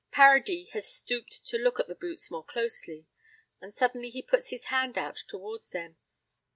Paradis has stooped to look at the boots more closely, and suddenly he puts his hand out towards them.